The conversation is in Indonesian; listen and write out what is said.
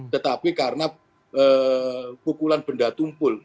tetapi karena pukulan benda tumpul